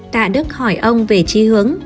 tạ đức hỏi ông về trí hướng